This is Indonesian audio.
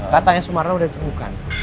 katanya sumarno udah ditunjukkan